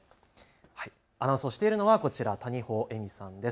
アナウンスをしているのはこちら、谷保恵美さんです。